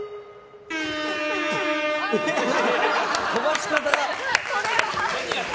飛ばし方が。